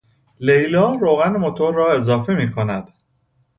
لیلا روغن موتور را اضافه میکند.